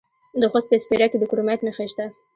د خوست په سپیره کې د کرومایټ نښې شته.